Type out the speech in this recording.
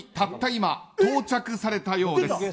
今到着されたようです。